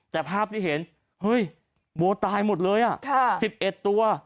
แต่ภาพที่เห็นเฮ้ยวัวตายหมดเลย๑๑ตัว